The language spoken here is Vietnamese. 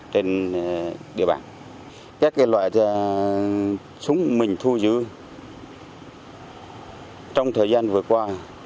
trên địa bàn các loại súng mình thu giữ trong thời gian vừa qua